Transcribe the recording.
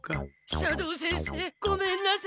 斜堂先生ごめんなさい。